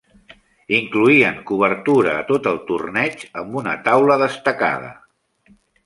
Incloïen cobertura a tot el torneig, amb una "taula destacada".